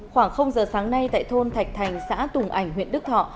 khoảng giờ sáng nay tại thôn thạch thành xã tùng ảnh huyện đức thọ